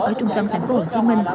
ở trung tâm tp hcm